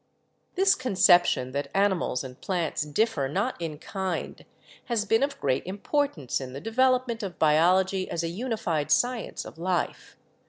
This conception that animals and plants differ not in kind has been of great importance in the development of biology as a unified science of life.